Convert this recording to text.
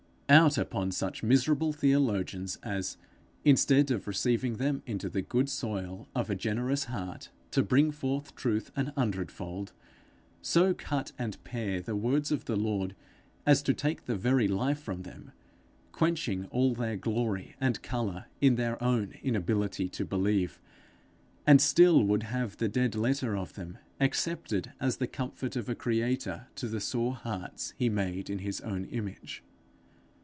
Out upon such miserable theologians as, instead of receiving them into the good soil of a generous heart, to bring forth truth an hundred fold, so cut and pare the words of the Lord as to take the very life from them, quenching all their glory and colour in their own inability to believe, and still would have the dead letter of them accepted as the comfort of a creator to the sore hearts he made in his own image!